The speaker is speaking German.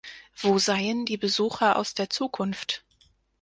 Wo seien die Besucher aus der Zukunft?